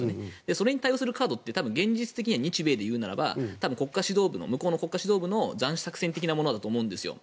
それに対応するカードって現実的には日米なら向こうの国家指導部の斬首作戦的なものだと思うんです。